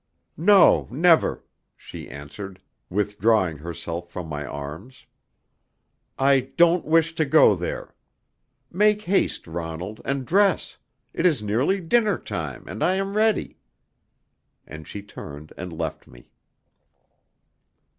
"No, never," she answered, withdrawing herself from my arms. "I don't wish to go there. Make haste, Ronald, and dress. It is nearly dinner time, and I am ready." And she turned and left me.